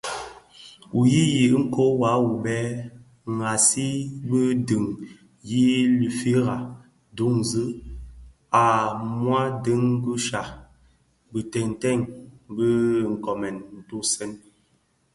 Ti yiyiti ikōō wua wu bë ghaksi bi duň yi lufira duňzi a mwadingusha Bitënten bi bë nkoomèn ntusèn.